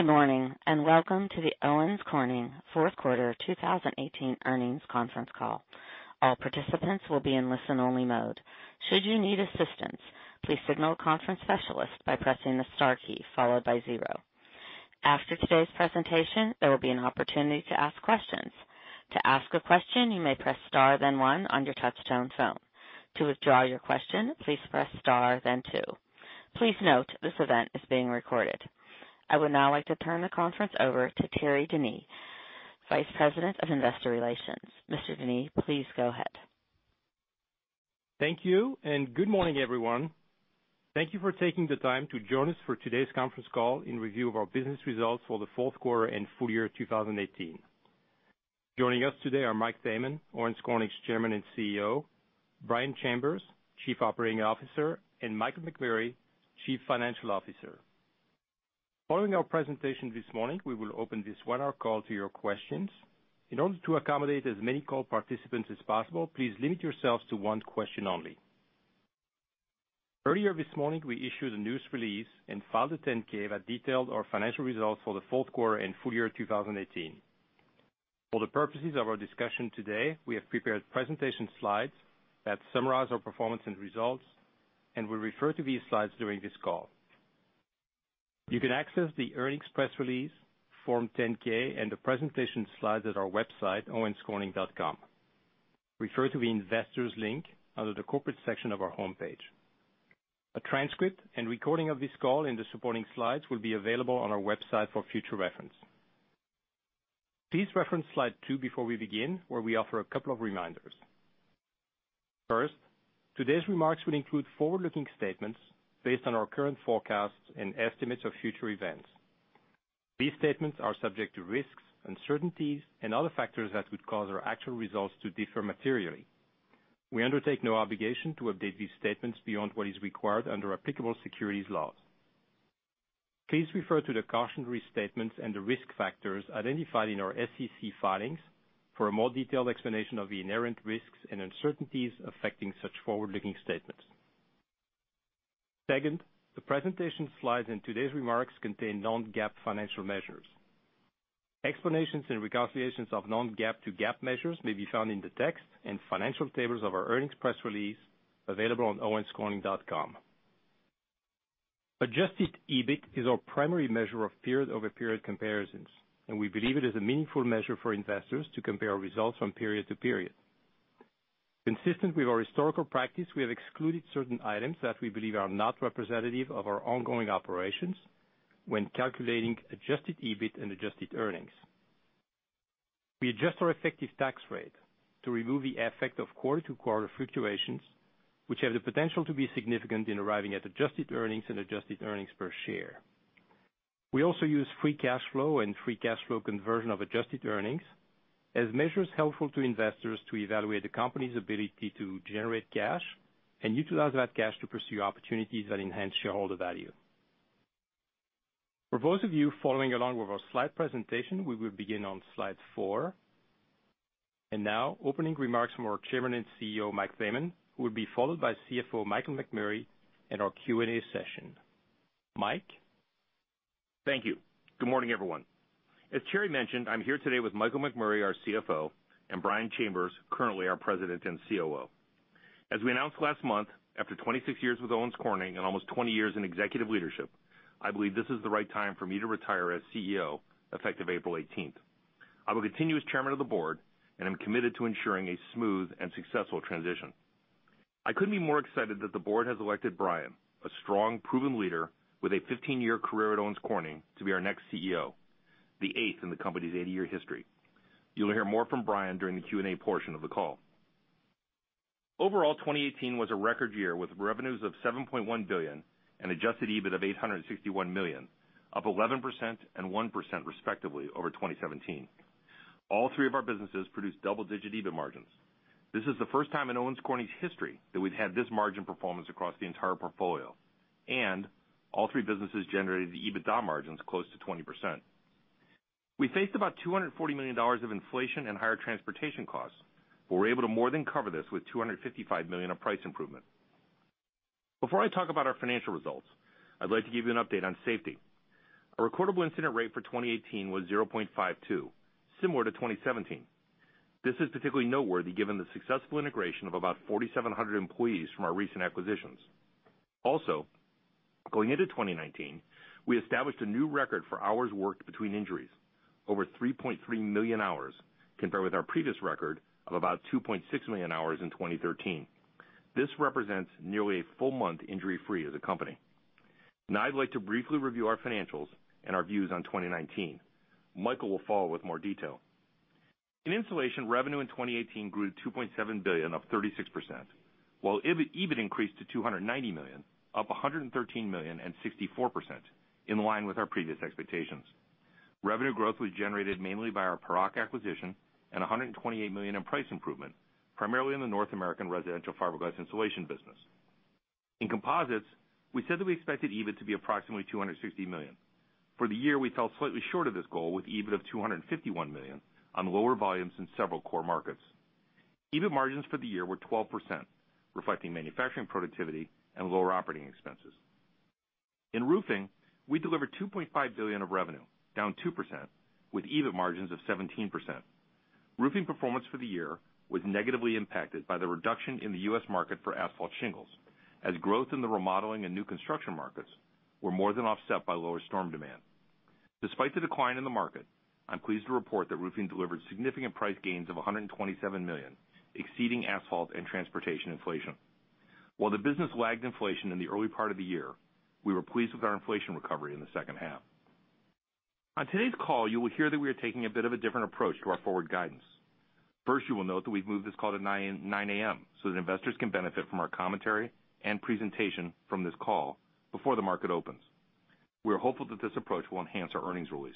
Good morning and welcome to the Owens Corning Fourth Quarter 2018 Earnings Conference Call. All participants will be in listen-only mode. Should you need assistance, please signal a conference specialist by pressing the star key followed by zero. After today's presentation, there will be an opportunity to ask questions. To ask a question, you may press star then one on your touch-tone phone. To withdraw your question, please press star then two. Please note this event is being recorded. I would now like to turn the conference over to Thierry Denis, Vice President of Investor Relations. Mr. Denis, please go ahead. Thank you and good morning everyone. Thank you for taking the time to join us for today's conference call in review of our business results for the fourth quarter and full year 2018. Joining us today are Mike Thaman, Owens Corning's Chairman and CEO, Brian Chambers, Chief Operating Officer, and Michael McMurray, Chief Financial Officer. Following our presentation this morning, we will open this one-hour call to your questions. In order to accommodate as many call participants as possible, please limit yourselves to one question only. Earlier this morning, we issued a news release and filed a 10-K that detailed our financial results for the fourth quarter and full year 2018. For the purposes of our discussion today, we have prepared presentation slides that summarize our performance and results, and we'll refer to these slides during this call. You can access the earnings press release, Form 10-K, and the presentation slides at our website, owenscorning.com. Refer to the investors link under the corporate section of our home page. A transcript and recording of this call and the supporting slides will be available on our website for future reference. Please reference slide two before we begin, where we offer a couple of reminders. First, today's remarks will include forward-looking statements based on our current forecasts and estimates of future events. These statements are subject to risks, uncertainties, and other factors that would cause our actual results to differ materially. We undertake no obligation to update these statements beyond what is required under applicable securities laws. Please refer to the cautionary statements and the risk factors identified in our SEC filings for a more detailed explanation of the inherent risks and uncertainties affecting such forward-looking statements. Second, the presentation slides and today's remarks contain non-GAAP financial measures. Explanations and reconciliations of non-GAAP to GAAP measures may be found in the text and financial tables of our earnings press release available on owenscorning.com. Adjusted EBIT is our primary measure of period-over-period comparisons, and we believe it is a meaningful measure for investors to compare results from period to period. Consistent with our historical practice, we have excluded certain items that we believe are not representative of our ongoing operations when calculating adjusted EBIT and adjusted earnings. We adjust our effective tax rate to remove the effect of quarter-to-quarter fluctuations, which have the potential to be significant in arriving at adjusted earnings and adjusted earnings per share. We also use free cash flow and free cash flow conversion of adjusted earnings as measures helpful to investors to evaluate the company's ability to generate cash and utilize that cash to pursue opportunities that enhance shareholder value. For those of you following along with our slide presentation, we will begin on slide four, and now, opening remarks from our Chairman and Chief Executive Officer, Mike Thaman, who will be followed by Chief Financial Officer, Michael McMurray, and our Q&A session. Mike. Thank you. Good morning everyone. As Thierry mentioned, I'm here today with Michael McMurray, our CFO, and Brian Chambers, currently our President and COO. As we announced last month, after 26 years with Owens Corning and almost 20 years in executive leadership, I believe this is the right time for me to retire as CEO effective April 18th. I will continue as Chairman of the Board and am committed to ensuring a smooth and successful transition. I couldn't be more excited that the Board has elected Brian, a strong, proven leader with a 15-year career at Owens Corning, to be our next CEO, the eighth in the company's 80-year history. You'll hear more from Brian during the Q&A portion of the call. Overall, 2018 was a record year with revenues of $7.1 billion and adjusted EBIT of $861 million, up 11% and 1% respectively over 2017. All three of our businesses produced double-digit EBIT margins. This is the first time in Owens Corning's history that we've had this margin performance across the entire portfolio, and all three businesses generated EBITDA margins close to 20%. We faced about $240 million of inflation and higher transportation costs, but we're able to more than cover this with $255 million of price improvement. Before I talk about our financial results, I'd like to give you an update on safety. Our recordable incident rate for 2018 was 0.52, similar to 2017. This is particularly noteworthy given the successful integration of about 4,700 employees from our recent acquisitions. Also, going into 2019, we established a new record for hours worked between injuries, over 3.3 million hours, compared with our previous record of about 2.6 million hours in 2013. This represents nearly a full month injury-free as a company. Now, I'd like to briefly review our financials and our views on 2019. Michael will follow with more detail. In insulation, revenue in 2018 grew to $2.7 billion, up 36%, while EBIT increased to $290 million, up 113 million and 64%, in line with our previous expectations. Revenue growth was generated mainly by our Paroc acquisition and $128 million in price improvement, primarily in the North American residential fiberglass insulation business. In composites, we said that we expected EBIT to be approximately $260 million. For the year, we fell slightly short of this goal with EBIT of $251 million on lower volumes in several core markets. EBIT margins for the year were 12%, reflecting manufacturing productivity and lower operating expenses. In roofing, we delivered $2.5 billion of revenue, down 2%, with EBIT margins of 17%. Roofing performance for the year was negatively impacted by the reduction in the U.S. market for asphalt shingles, as growth in the remodeling and new construction markets were more than offset by lower storm demand. Despite the decline in the market, I'm pleased to report that roofing delivered significant price gains of $127 million, exceeding asphalt and transportation inflation. While the business lagged inflation in the early part of the year, we were pleased with our inflation recovery in the second half. On today's call, you will hear that we are taking a bit of a different approach to our forward guidance. First, you will note that we've moved this call to 9:00 A.M. so that investors can benefit from our commentary and presentation from this call before the market opens. We are hopeful that this approach will enhance our earnings release.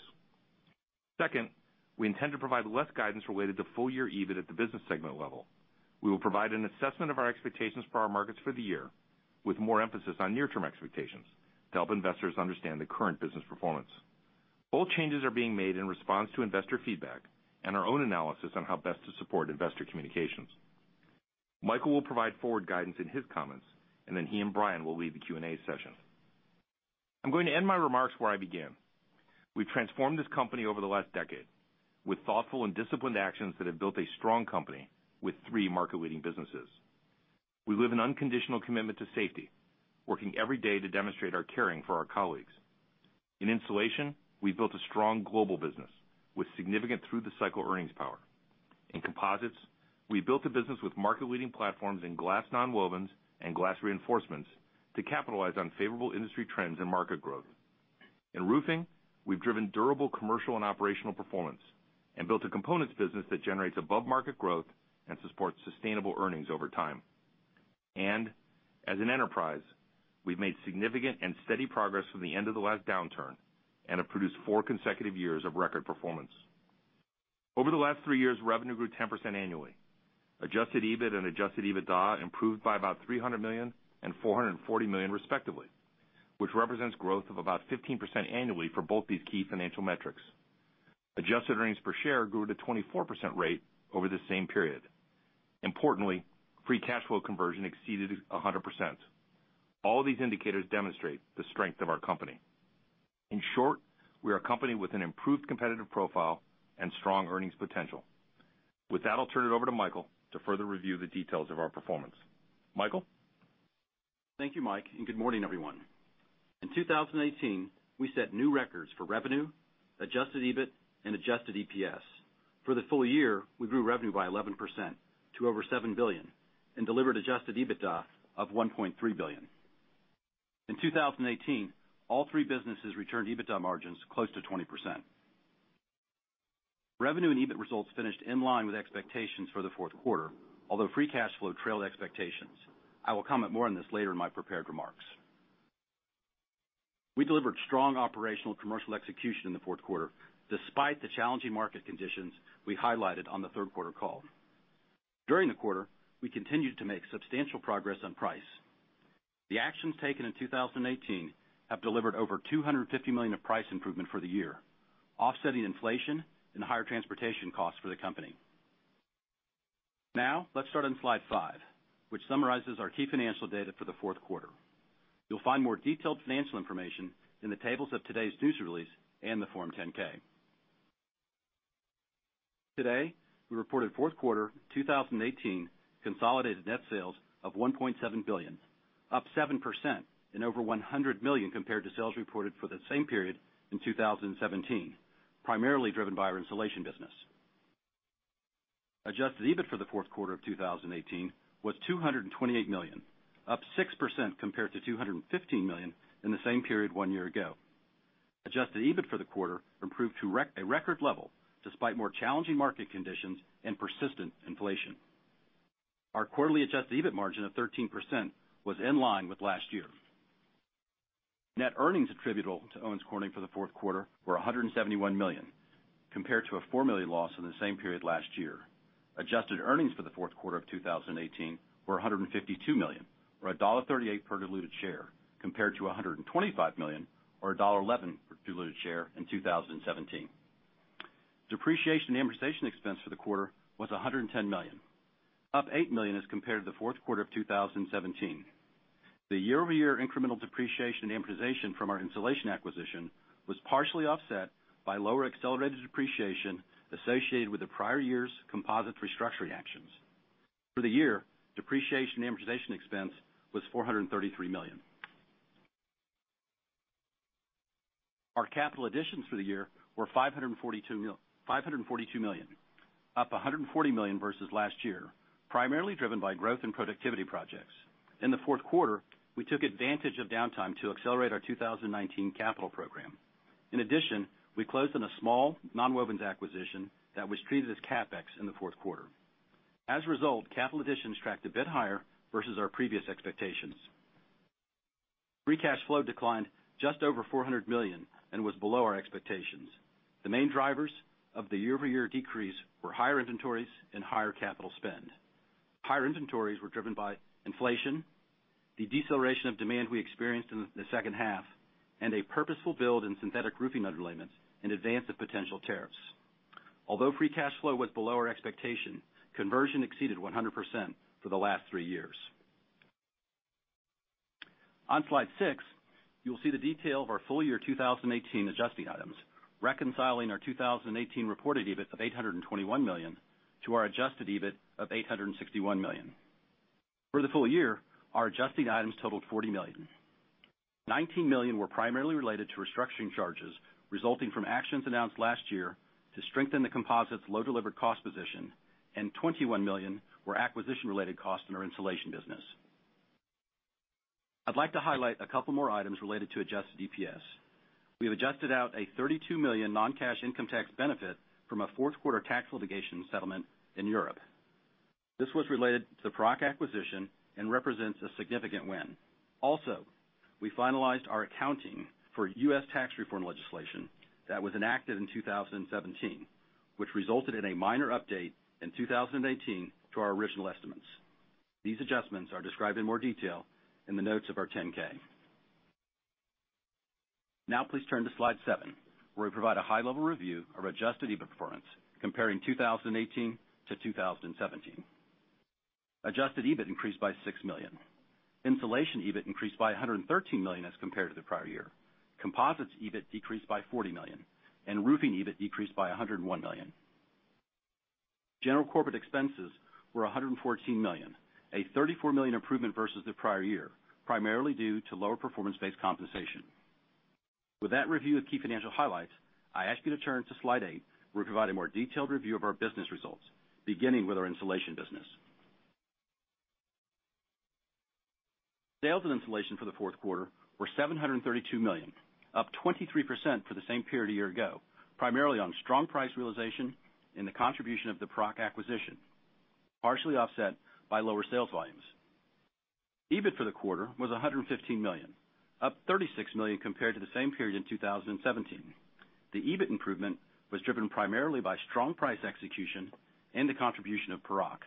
Second, we intend to provide less guidance related to full-year EBIT at the business segment level. We will provide an assessment of our expectations for our markets for the year, with more emphasis on near-term expectations to help investors understand the current business performance. All changes are being made in response to investor feedback and our own analysis on how best to support investor communications. Michael will provide forward guidance in his comments, and then he and Brian will lead the Q&A session. I'm going to end my remarks where I began. We've transformed this company over the last decade with thoughtful and disciplined actions that have built a strong company with three market-leading businesses. We live an unconditional commitment to safety, working every day to demonstrate our caring for our colleagues. In insulation, we've built a strong global business with significant through-the-cycle earnings power. In composites, we've built a business with market-leading platforms in glass nonwovens and glass reinforcements to capitalize on favorable industry trends and market growth. In roofing, we've driven durable commercial and operational performance and built a components business that generates above-market growth and supports sustainable earnings over time. And as an enterprise, we've made significant and steady progress from the end of the last downturn and have produced four consecutive years of record performance. Over the last three years, revenue grew 10% annually. Adjusted EBIT and adjusted EBITDA improved by about $300 million and $440 million, respectively, which represents growth of about 15% annually for both these key financial metrics. Adjusted earnings per share grew at a 24% rate over the same period. Importantly, free cash flow conversion exceeded 100%. All these indicators demonstrate the strength of our company. In short, we are a company with an improved competitive profile and strong earnings potential. With that, I'll turn it over to Michael to further review the details of our performance. Michael. Thank you, Mike, and good morning, everyone. In 2018, we set new records for revenue, adjusted EBIT, and adjusted EPS. For the full year, we grew revenue by 11% to over $7 billion and delivered adjusted EBITDA of $1.3 billion. In 2018, all three businesses returned EBITDA margins close to 20%. Revenue and EBIT results finished in line with expectations for the fourth quarter, although free cash flow trailed expectations. I will comment more on this later in my prepared remarks. We delivered strong operational commercial execution in the fourth quarter, despite the challenging market conditions we highlighted on the third quarter call. During the quarter, we continued to make substantial progress on price. The actions taken in 2018 have delivered over $250 million of price improvement for the year, offsetting inflation and higher transportation costs for the company. Now, let's start on slide five, which summarizes our key financial data for the fourth quarter. You'll find more detailed financial information in the tables of today's news release and the Form 10-K. Today, we reported fourth quarter 2018 consolidated net sales of $1.7 billion, up 7% and over $100 million compared to sales reported for the same period in 2017, primarily driven by our Insulation business. Adjusted EBIT for the fourth quarter of 2018 was $228 million, up 6% compared to $215 million in the same period one year ago. Adjusted EBIT for the quarter improved to a record level despite more challenging market conditions and persistent inflation. Our quarterly adjusted EBIT margin of 13% was in line with last year. Net earnings attributable to Owens Corning for the fourth quarter were $171 million, compared to a $4 million loss in the same period last year. Adjusted earnings for the fourth quarter of 2018 were $152 million, or $1.38 per diluted share, compared to $125 million, or $1.11 per diluted share in 2017. Depreciation and amortization expense for the quarter was $110 million, up $8 million as compared to the fourth quarter of 2017. The year-over-year incremental depreciation and amortization from our installation acquisition was partially offset by lower accelerated depreciation associated with the prior year's composite restructuring actions. For the year, depreciation and amortization expense was $433 million. Our capital additions for the year were $542 million, up $140 million versus last year, primarily driven by growth and productivity projects. In the fourth quarter, we took advantage of downtime to accelerate our 2019 capital program. In addition, we closed on a small nonwovens acquisition that was treated as CapEx in the fourth quarter. As a result, capital additions tracked a bit higher versus our previous expectations. Free cash flow declined just over $400 million and was below our expectations. The main drivers of the year-over-year decrease were higher inventories and higher capital spend. Higher inventories were driven by inflation, the deceleration of demand we experienced in the second half, and a purposeful build in synthetic roofing underlayments in advance of potential tariffs. Although free cash flow was below our expectation, conversion exceeded 100% for the last three years. On slide six, you'll see the detail of our full year 2018 adjusting items, reconciling our 2018 reported EBIT of $821 million to our adjusted EBIT of $861 million. For the full year, our adjusting items totaled $40 million. $19 million were primarily related to restructuring charges resulting from actions announced last year to strengthen the composites' low delivered cost position, and $21 million were acquisition-related costs in our installation business. I'd like to highlight a couple more items related to adjusted EPS. We have adjusted out a $32 million noncash income tax benefit from a fourth quarter tax litigation settlement in Europe. This was related to the Paroc acquisition and represents a significant win. Also, we finalized our accounting for U.S. tax reform legislation that was enacted in 2017, which resulted in a minor update in 2018 to our original estimates. These adjustments are described in more detail in the notes of our 10-K. Now, please turn to slide seven, where we provide a high-level review of adjusted EBIT performance, comparing 2018 to 2017. Adjusted EBIT increased by $6 million. Installation EBIT increased by $113 million as compared to the prior year. Composites EBIT decreased by $40 million, and roofing EBIT decreased by $101 million. General corporate expenses were $114 million, a $34 million improvement versus the prior year, primarily due to lower performance-based compensation. With that review of key financial highlights, I ask you to turn to slide eight, where we provide a more detailed review of our business results, beginning with our installation business. Sales and installation for the fourth quarter were $732 million, up 23% for the same period a year ago, primarily on strong price realization and the contribution of the Paroc acquisition, partially offset by lower sales volumes. EBIT for the quarter was $115 million, up $36 million compared to the same period in 2017. The EBIT improvement was driven primarily by strong price execution and the contribution of Paroc.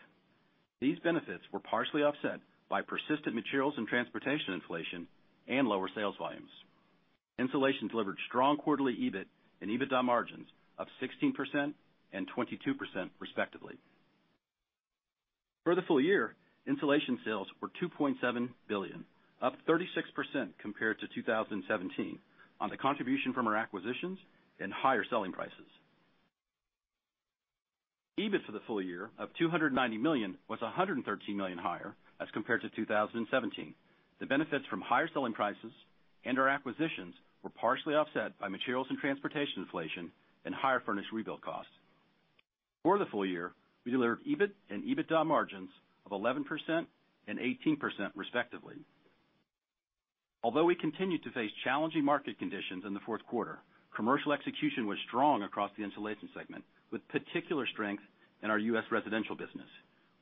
These benefits were partially offset by persistent materials and transportation inflation and lower sales volumes. Insulation delivered strong quarterly EBIT and EBITDA margins of 16% and 22%, respectively. For the full year, installation sales were $2.7 billion, up 36% compared to 2017, on the contribution from our acquisitions and higher selling prices. EBIT for the full year, of $290 million, was $113 million higher as compared to 2017. The benefits from higher selling prices and our acquisitions were partially offset by materials and transportation inflation and higher furnished rebuild costs. For the full year, we delivered EBIT and EBITDA margins of 11% and 18%, respectively. Although we continued to face challenging market conditions in the fourth quarter, commercial execution was strong across the installation segment, with particular strength in our U.S. residential business.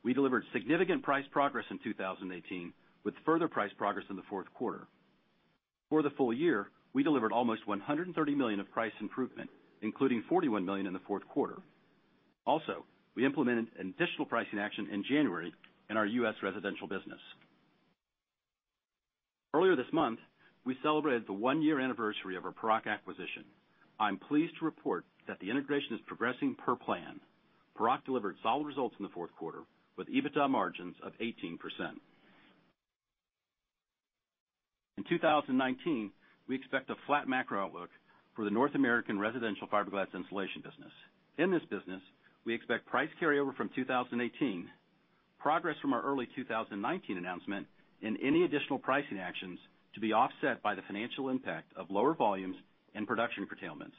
We delivered significant price progress in 2018, with further price progress in the fourth quarter. For the full year, we delivered almost $130 million of price improvement, including $41 million in the fourth quarter. Also, we implemented an additional pricing action in January in our U.S. residential business. Earlier this month, we celebrated the one-year anniversary of our Paroc acquisition. I'm pleased to report that the integration is progressing per plan. Paroc delivered solid results in the fourth quarter, with EBITDA margins of 18%. In 2019, we expect a flat macro outlook for the North American residential fiberglass installation business. In this business, we expect price carryover from 2018, progress from our early 2019 announcement, and any additional pricing actions to be offset by the financial impact of lower volumes and production curtailments.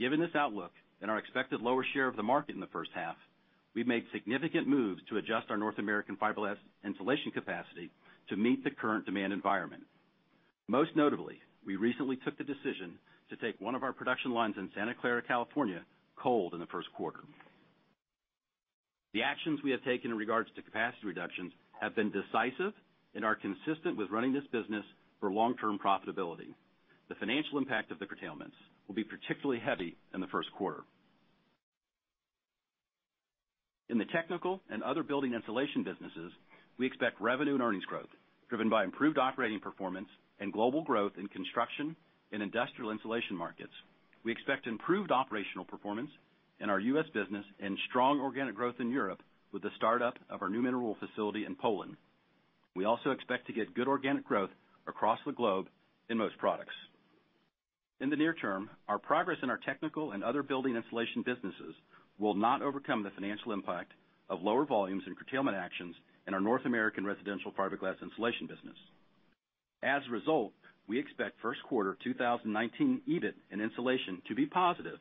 Given this outlook and our expected lower share of the market in the first half, we've made significant moves to adjust our North American fiberglass insulation capacity to meet the current demand environment. Most notably, we recently took the decision to take one of our production lines in Santa Clara, California, cold in the first quarter. The actions we have taken in regards to capacity reductions have been decisive and are consistent with running this business for long-term profitability. The financial impact of the curtailments will be particularly heavy in the first quarter. In the technical and other building insulation businesses, we expect revenue and earnings growth driven by improved operating performance and global growth in construction and industrial insulation markets. We expect improved operational performance in our U.S. business and strong organic growth in Europe with the startup of our new mineral wool facility in Poland. We also expect to get good organic growth across the globe in most products. In the near term, our progress in our technical and other building insulation businesses will not overcome the financial impact of lower volumes and curtailment actions in our North American residential fiberglass insulation business. As a result, we expect first quarter 2019 EBIT and insulation to be positive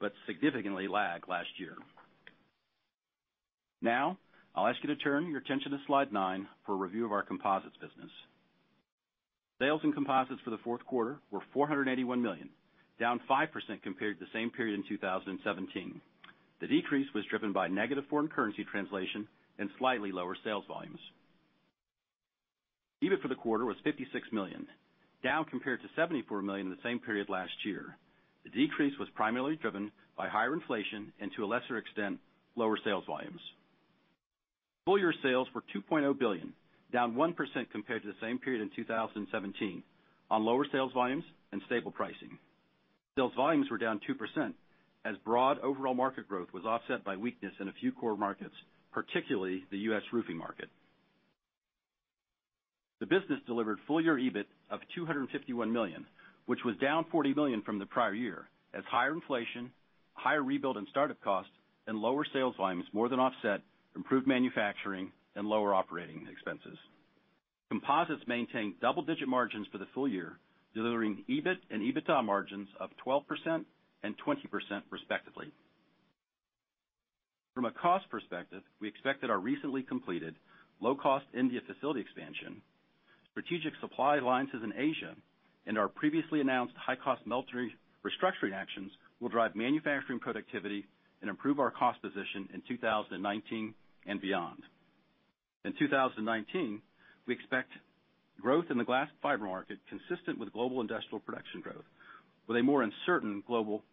but significantly lag last year. Now, I'll ask you to turn your attention to slide nine for a review of our composites business. Sales in composites for the fourth quarter were $481 million, down 5% compared to the same period in 2017. The decrease was driven by negative foreign currency translation and slightly lower sales volumes. EBIT for the quarter was $56 million, down compared to $74 million in the same period last year. The decrease was primarily driven by higher inflation and, to a lesser extent, lower sales volumes. Full year sales were $2.0 billion, down 1% compared to the same period in 2017, on lower sales volumes and stable pricing. Sales volumes were down 2% as broad overall market growth was offset by weakness in a few core markets, particularly the U.S. roofing market. The business delivered full year EBIT of $251 million, which was down $40 million from the prior year as higher inflation, higher rebuild and startup costs, and lower sales volumes more than offset improved manufacturing and lower operating expenses. Composites maintained double-digit margins for the full year, delivering EBIT and EBITDA margins of 12% and 20%, respectively. From a cost perspective, we expect that our recently completed low-cost India facility expansion, strategic supply alliances in Asia, and our previously announced high-cost mill restructuring actions will drive manufacturing productivity and improve our cost position in 2019 and beyond. In 2019, we expect growth in the glass fiber market consistent with global industrial production growth, with a more uncertain global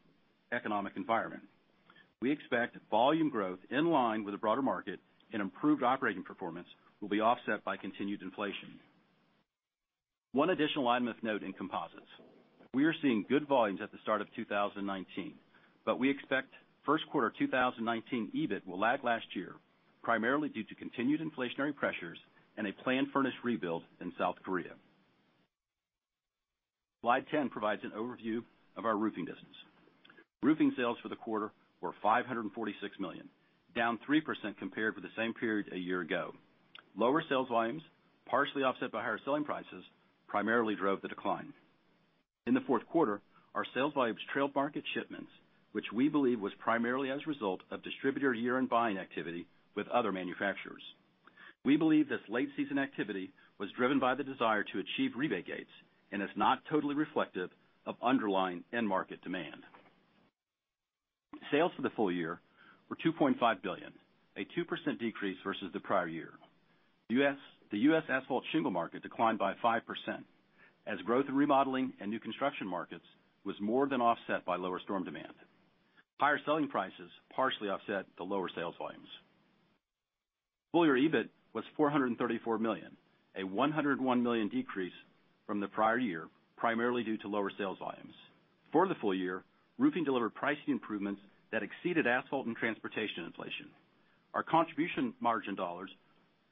economic environment. We expect volume growth in line with the broader market and improved operating performance will be offset by continued inflation. One additional line of note in composites: we are seeing good volumes at the start of 2019, but we expect first quarter 2019 EBIT will lag last year, primarily due to continued inflationary pressures and a planned furnace rebuild in South Korea. Slide 10 provides an overview of our roofing business. Roofing sales for the quarter were $546 million, down 3% compared with the same period a year ago. Lower sales volumes, partially offset by higher selling prices, primarily drove the decline. In the fourth quarter, our sales volumes trailed market shipments, which we believe was primarily as a result of distributor year-end buying activity with other manufacturers. We believe this late-season activity was driven by the desire to achieve rebate gains and is not totally reflective of underlying end-market demand. Sales for the full year were $2.5 billion, a 2% decrease versus the prior year. The U.S. asphalt shingle market declined by 5% as growth in remodeling and new construction markets was more than offset by lower storm demand. Higher selling prices partially offset the lower sales volumes. Full year EBIT was $434 million, a $101 million decrease from the prior year, primarily due to lower sales volumes. For the full year, roofing delivered pricing improvements that exceeded asphalt and transportation inflation. Our contribution margin dollars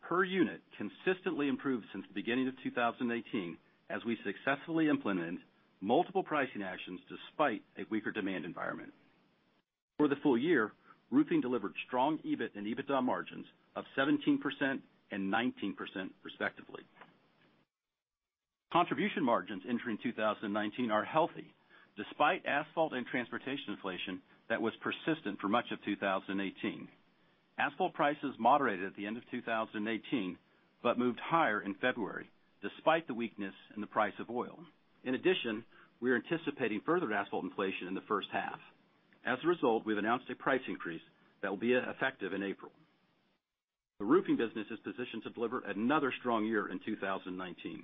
per unit consistently improved since the beginning of 2018 as we successfully implemented multiple pricing actions despite a weaker demand environment. For the full year, roofing delivered strong EBIT and EBITDA margins of 17% and 19%, respectively. Contribution margins entering 2019 are healthy despite asphalt and transportation inflation that was persistent for much of 2018. Asphalt prices moderated at the end of 2018 but moved higher in February, despite the weakness in the price of oil. In addition, we are anticipating further asphalt inflation in the first half. As a result, we've announced a price increase that will be effective in April. The roofing business is positioned to deliver another strong year in 2019.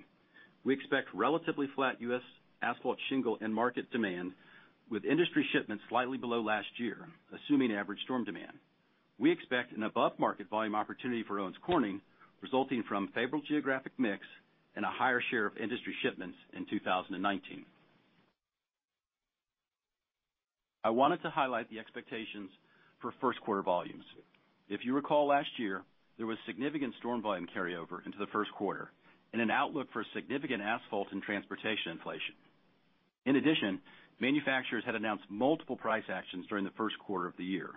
We expect relatively flat U.S. Asphalt shingle and market demand, with industry shipments slightly below last year, assuming average storm demand. We expect an above-market volume opportunity for Owens Corning resulting from favorable geographic mix and a higher share of industry shipments in 2019. I wanted to highlight the expectations for first quarter volumes. If you recall last year, there was significant storm volume carryover into the first quarter and an outlook for significant asphalt and transportation inflation. In addition, manufacturers had announced multiple price actions during the first quarter of the year.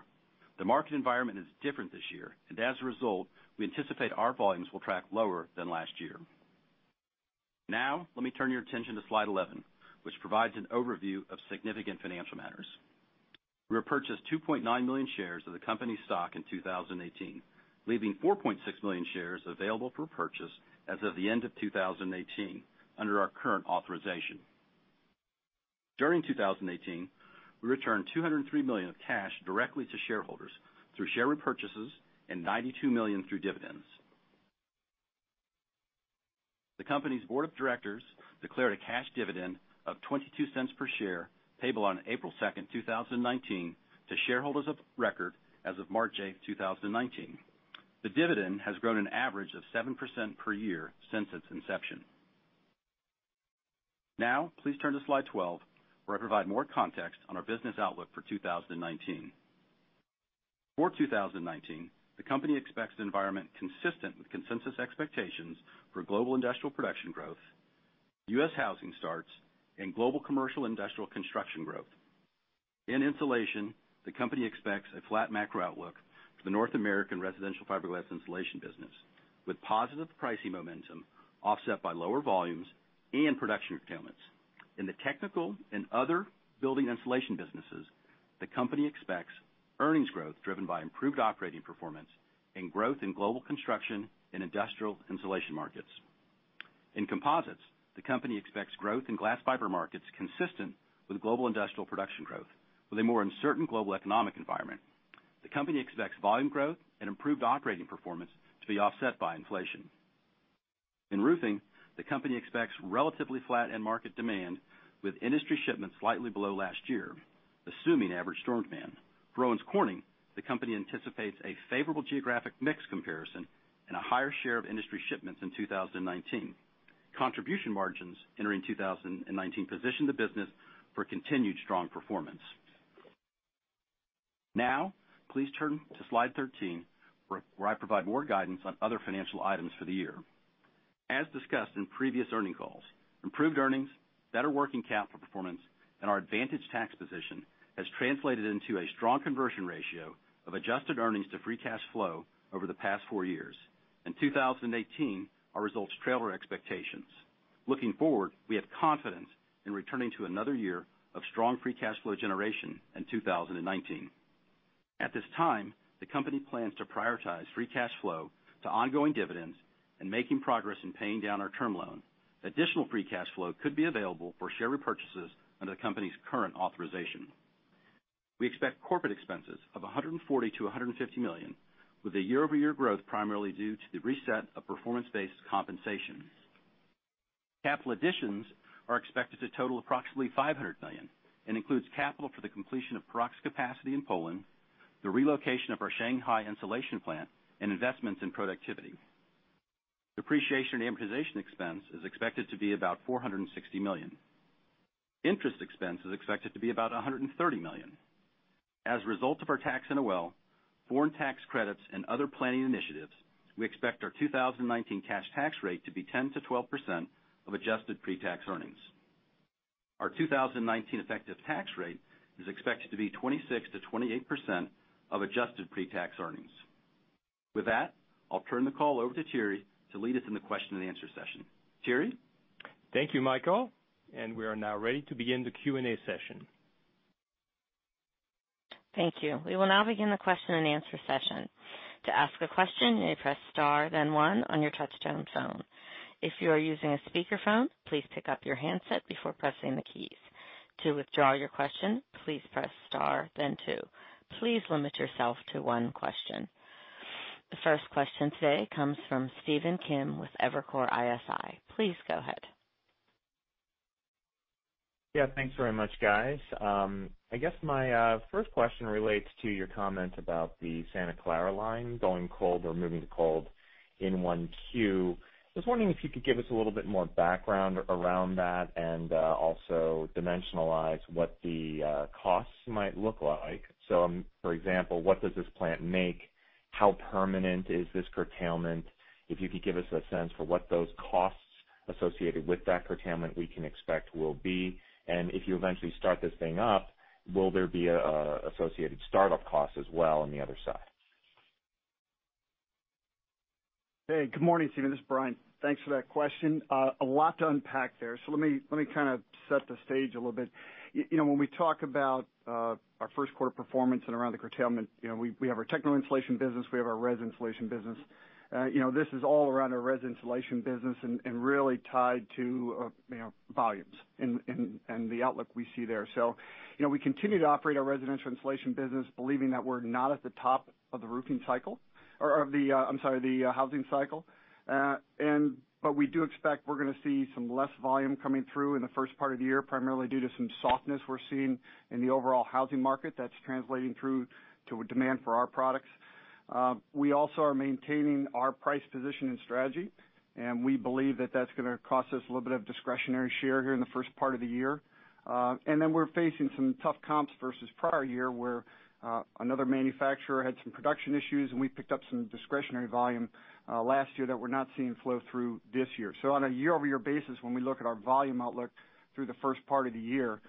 The market environment is different this year, and as a result, we anticipate our volumes will track lower than last year. Now, let me turn your attention to slide 11, which provides an overview of significant financial matters. We purchased 2.9 million shares of the company's stock in 2018, leaving 4.6 million shares available for purchase as of the end of 2018 under our current authorization. During 2018, we returned $203 million of cash directly to shareholders through share repurchases and $92 million through dividends. The company's board of directors declared a cash dividend of $0.22 per share payable on April 2, 2019, to shareholders of record as of March 8, 2019. The dividend has grown an average of 7% per year since its inception. Now, please turn to slide 12, where I provide more context on our business outlook for 2019. For 2019, the company expects an environment consistent with consensus expectations for global industrial production growth, U.S. housing starts, and global commercial industrial construction growth. In installation, the company expects a flat macro outlook for the North American residential fiberglass insulation business, with positive pricing momentum offset by lower volumes and production curtailments. In the technical and other building insulation businesses, the company expects earnings growth driven by improved operating performance and growth in global construction and industrial insulation markets. In composites, the company expects growth in glass fiber markets consistent with global industrial production growth, with a more uncertain global economic environment. The company expects volume growth and improved operating performance to be offset by inflation. In roofing, the company expects relatively flat end-market demand, with industry shipments slightly below last year, assuming average storm demand. For Owens Corning, the company anticipates a favorable geographic mix comparison and a higher share of industry shipments in 2019. Contribution margins entering 2019 position the business for continued strong performance. Now, please turn to slide 13, where I provide more guidance on other financial items for the year. As discussed in previous earnings calls, improved earnings, better working capital performance, and our advantage tax position have translated into a strong conversion ratio of adjusted earnings to free cash flow over the past four years. In 2018, our results trailed our expectations. Looking forward, we have confidence in returning to another year of strong free cash flow generation in 2019. At this time, the company plans to prioritize free cash flow to ongoing dividends and making progress in paying down our term loan. Additional free cash flow could be available for share repurchases under the company's current authorization. We expect corporate expenses of $140-$150 million, with the year-over-year growth primarily due to the reset of performance-based compensation. Capital additions are expected to total approximately $500 million and include capital for the completion of Paroc capacity in Poland, the relocation of our Shanghai insulation plant, and investments in productivity. Depreciation and amortization expense is expected to be about $460 million. Interest expense is expected to be about $130 million. As a result of our tax and overall foreign tax credits, and other planning initiatives, we expect our 2019 cash tax rate to be 10%-12% of adjusted pre-tax earnings. Our 2019 effective tax rate is expected to be 26%-28% of adjusted pre-tax earnings. With that, I'll turn the call over to Thierry to lead us in the question-and-answer session. Thierry? Thank you, Michael. And we are now ready to begin the Q&A session. Thank you. We will now begin the question-and-answer session. To ask a question, you may press star, then one, on your touch-tone phone. If you are using a speakerphone, please pick up your handset before pressing the keys. To withdraw your question, please press star, then two. Please limit yourself to one question. The first question today comes from Stephen Kim with Evercore ISI. Please go ahead. Yeah, thanks very much, guys. I guess my first question relates to your comment about the Santa Clara line going cold or moving to cold in Q1. I was wondering if you could give us a little bit more background around that and also dimensionalize what the costs might look like. So, for example, what does this plant make? How permanent is this curtailment? If you could give us a sense for what those costs associated with that curtailment we can expect will be? If you eventually start this thing up, will there be an associated startup cost as well on the other side? Hey, good morning, Stephen. This is Brian. Thanks for that question. A lot to unpack there. Let me kind of set the stage a little bit. When we talk about our first quarter performance and around the curtailment, we have our technical insulation business. We have our res insulation business. This is all around our res insulation business and really tied to volumes and the outlook we see there. We continue to operate our residential insulation business, believing that we're not at the top of the roofing cycle or of the, I'm sorry, the housing cycle. But we do expect we're going to see some less volume coming through in the first part of the year, primarily due to some softness we're seeing in the overall housing market that's translating through to a demand for our products. We also are maintaining our price position and strategy, and we believe that that's going to cost us a little bit of discretionary share here in the first part of the year. And then we're facing some tough comps versus prior year where another manufacturer had some production issues, and we picked up some discretionary volume last year that we're not seeing flow through this year. So on a year-over-year basis, when we look at our volume outlook through the first part of the year,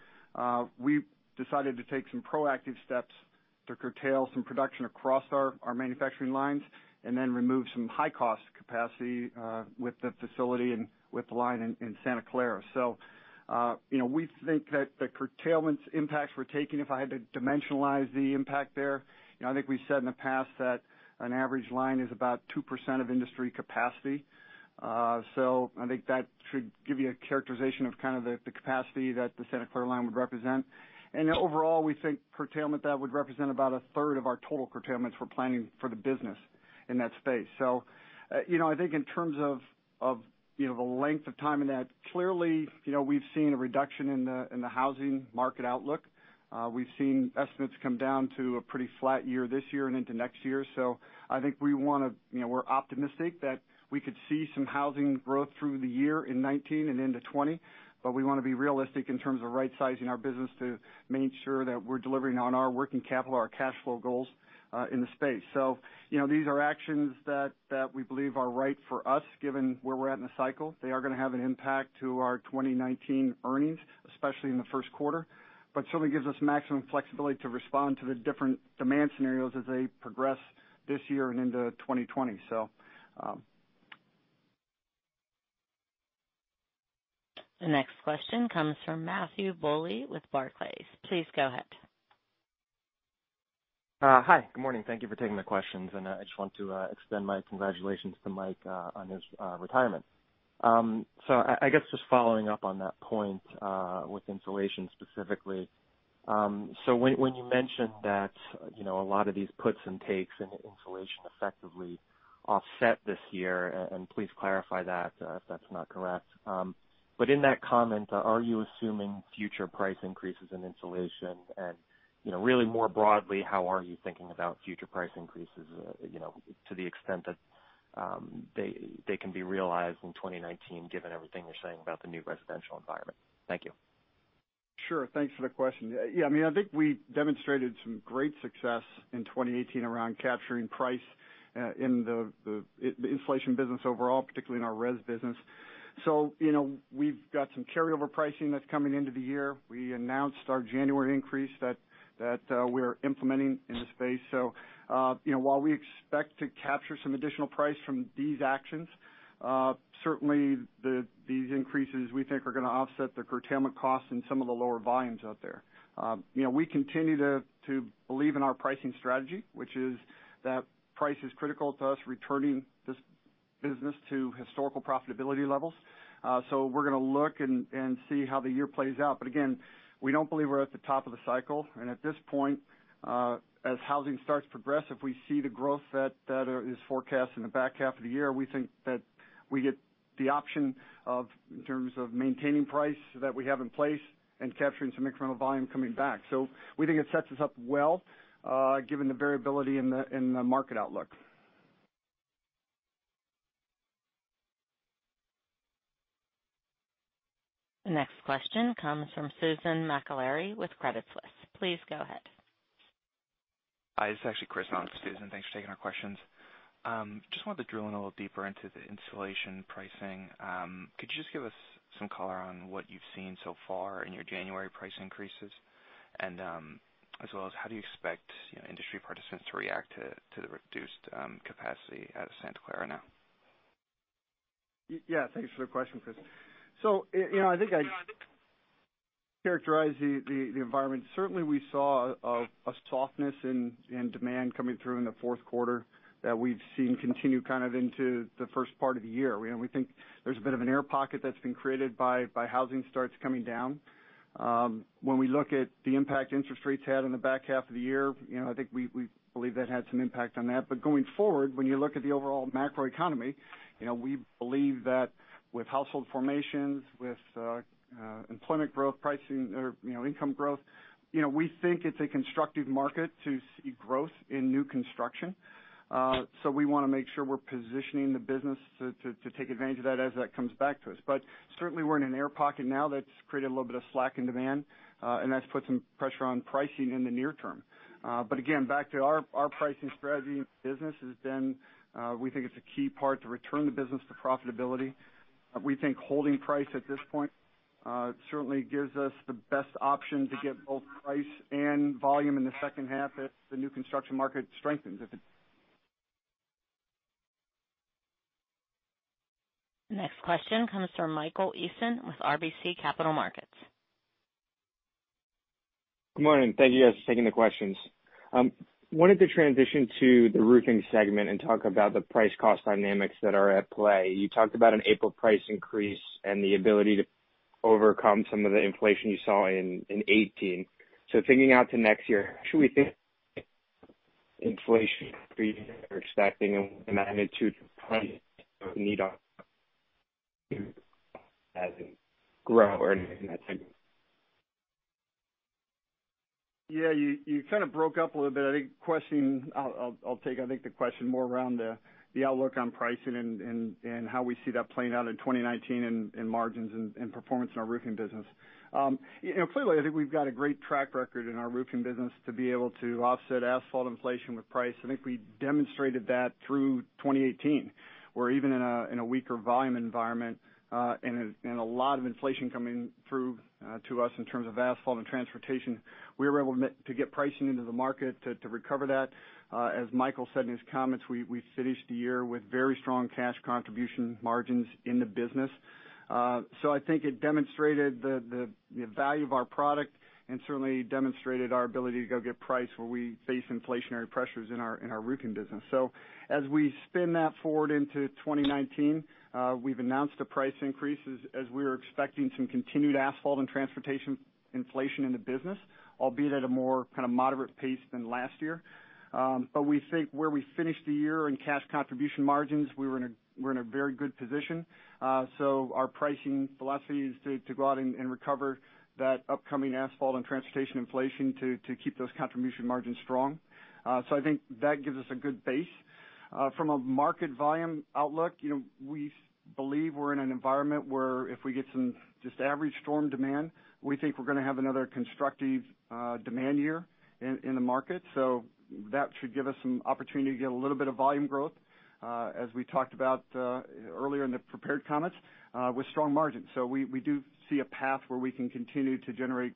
we decided to take some proactive steps to curtail some production across our manufacturing lines and then remove some high-cost capacity with the facility and with the line in Santa Clara. So we think that the curtailment's impacts we're taking, if I had to dimensionalize the impact there, I think we've said in the past that an average line is about 2% of industry capacity. So I think that should give you a characterization of kind of the capacity that the Santa Clara line would represent. And overall, we think curtailment that would represent about a third of our total curtailments for planning for the business in that space. So I think in terms of the length of time in that, clearly we've seen a reduction in the housing market outlook. We've seen estimates come down to a pretty flat year this year and into next year. So I think we want to, we're optimistic that we could see some housing growth through the year in 2019 and into 2020, but we want to be realistic in terms of right-sizing our business to make sure that we're delivering on our working capital, our cash flow goals in the space. So these are actions that we believe are right for us, given where we're at in the cycle. They are going to have an impact to our 2019 earnings, especially in the first quarter, but certainly gives us maximum flexibility to respond to the different demand scenarios as they progress this year and into 2020, so. The next question comes from Matthew Bouley with Barclays. Please go ahead. Hi, good morning. Thank you for taking my questions. I just want to extend my congratulations to Mike on his retirement. So I guess just following up on that point with insulation specifically. So when you mentioned that a lot of these puts and takes in insulation effectively offset this year, and please clarify that if that's not correct. In that comment, are you assuming future price increases in insulation? Really more broadly, how are you thinking about future price increases to the extent that they can be realized in 2019, given everything you're saying about the new residential environment? Thank you. Sure. Thanks for the question. Yeah, I mean, I think we demonstrated some great success in 2018 around capturing price in the insulation business overall, particularly in our res business. So we've got some carryover pricing that's coming into the year. We announced our January increase that we're implementing in the space. So while we expect to capture some additional price from these actions, certainly these increases we think are going to offset the curtailment costs in some of the lower volumes out there. We continue to believe in our pricing strategy, which is that price is critical to us returning this business to historical profitability levels. So we're going to look and see how the year plays out. But again, we don't believe we're at the top of the cycle. And at this point, as housing starts to progress, if we see the growth that is forecast in the back half of the year, we think that we get the option of, in terms of maintaining price that we have in place and capturing some incremental volume coming back. So we think it sets us up well, given the variability in the market outlook. The next question comes from Susan Maklari with Credit Suisse. Please go ahead. Hi, this is actually Chris on for Susan. Thanks for taking our questions. Just wanted to drill in a little deeper into the insulation pricing. Could you just give us some color on what you've seen so far in your January price increases? And as well as how do you expect industry participants to react to the reduced capacity at Santa Clara now? Yeah, thanks for the question, Chris. So I think I characterize the environment. Certainly, we saw a softness in demand coming through in the fourth quarter that we've seen continue kind of into the first part of the year. We think there's a bit of an air pocket that's been created by housing starts coming down. When we look at the impact interest rates had in the back half of the year, I think we believe that had some impact on that. But going forward, when you look at the overall macroeconomy, we believe that with household formations, with employment growth, pricing, or income growth, we think it's a constructive market to see growth in new construction. So we want to make sure we're positioning the business to take advantage of that as that comes back to us. But certainly, we're in an air pocket now that's created a little bit of slack in demand, and that's put some pressure on pricing in the near term. But again, back to our pricing strategy in the business has been, we think it's a key part to return the business to profitability. We think holding price at this point certainly gives us the best option to get both price and volume in the second half if the new construction market strengthens. The next question comes from Michael Eisen with RBC Capital Markets. Good morning. Thank you, guys, for taking the questions. Wanted to transition to the roofing segment and talk about the price-cost dynamics that are at play. You talked about an April price increase and the ability to overcome some of the inflation you saw in 2018. So thinking out to next year, should we think inflation for year expecting a magnitude of price need to grow or anything like that? Yeah, you kind of broke up a little bit. I think the question. I'll take it. I think the question is more around the outlook on pricing and how we see that playing out in 2019 in margins and performance in our roofing business. Clearly, I think we've got a great track record in our roofing business to be able to offset asphalt inflation with price. I think we demonstrated that through 2018, where even in a weaker volume environment and a lot of inflation coming through to us in terms of asphalt and transportation, we were able to get pricing into the market to recover that. As Michael said in his comments, we finished the year with very strong cash contribution margins in the business. So I think it demonstrated the value of our product and certainly demonstrated our ability to go get price where we face inflationary pressures in our roofing business. So as we spin that forward into 2019, we've announced a price increase as we were expecting some continued asphalt and transportation inflation in the business, albeit at a more kind of moderate pace than last year. But we think where we finished the year in cash contribution margins, we were in a very good position. So our pricing philosophy is to go out and recover that upcoming asphalt and transportation inflation to keep those contribution margins strong. So I think that gives us a good base. From a market volume outlook, we believe we're in an environment where if we get some just average storm demand, we think we're going to have another constructive demand year in the market. So that should give us some opportunity to get a little bit of volume growth, as we talked about earlier in the prepared comments, with strong margins. So we do see a path where we can continue to generate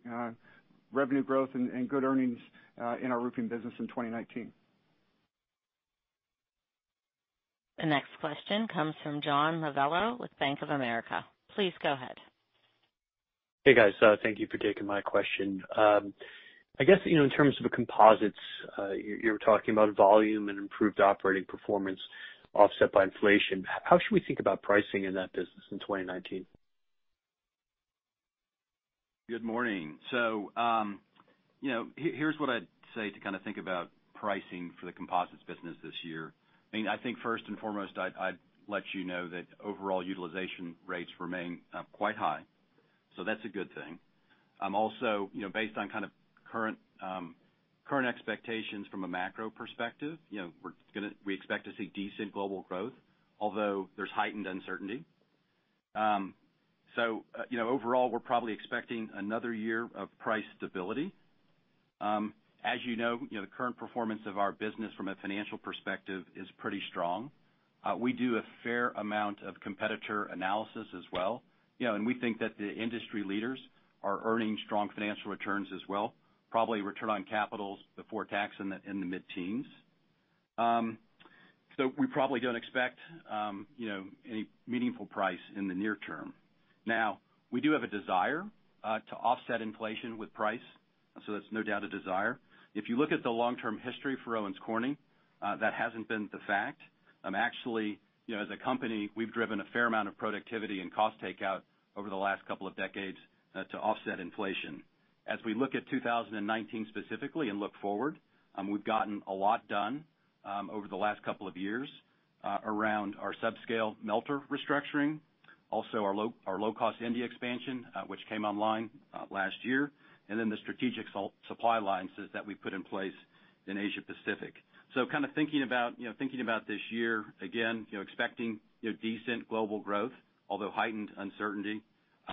revenue growth and good earnings in our roofing business in 2019. The next question comes from John Lovallo with Bank of America. Please go ahead. Hey, guys. Thank you for taking my question. I guess in terms of the composites, you were talking about volume and improved operating performance offset by inflation. How should we think about pricing in that business in 2019? Good morning. So here's what I'd say to kind of think about pricing for the composites business this year. I mean, I think first and foremost, I'd let you know that overall utilization rates remain quite high. So that's a good thing. Also, based on kind of current expectations from a macro perspective, we expect to see decent global growth, although there's heightened uncertainty. So overall, we're probably expecting another year of price stability. As you know, the current performance of our business from a financial perspective is pretty strong. We do a fair amount of competitor analysis as well, and we think that the industry leaders are earning strong financial returns as well, probably return on capitals before tax in the mid-teens, so we probably don't expect any meaningful price in the near term. Now, we do have a desire to offset inflation with price, so that's no doubt a desire. If you look at the long-term history for Owens Corning, that hasn't been the fact. Actually, as a company, we've driven a fair amount of productivity and cost takeout over the last couple of decades to offset inflation. As we look at 2019 specifically and look forward, we've gotten a lot done over the last couple of years around our subscale melter restructuring, also our low-cost India expansion, which came online last year, and then the strategic supply lines that we put in place in Asia-Pacific, so kind of thinking about this year, again, expecting decent global growth, although heightened uncertainty.